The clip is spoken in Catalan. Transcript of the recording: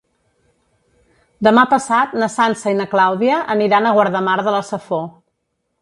Demà passat na Sança i na Clàudia aniran a Guardamar de la Safor.